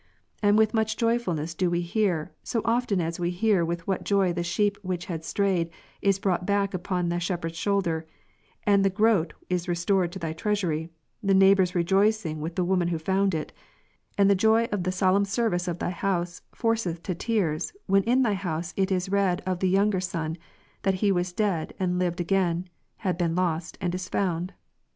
And with much joy fulness do we hear, so often as we hear with what joy the sheep ivhich had strayed, is brought back upon the shepherd's shoulder, and the groat is restored to Thy treasury, the neighbour srejoicing with the ivoman who found it; and the joy of the solemn service of Thy house forceth to tears, when in Thy house it is read of Thy younger son, that he ivas dead, and lived again ; had been lost, and is found.